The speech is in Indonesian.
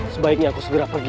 sebaiknya aku segera pergi